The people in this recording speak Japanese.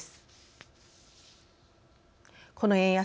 この円安